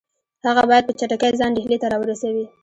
هغه باید په چټکۍ ځان ډهلي ته را ورسوي.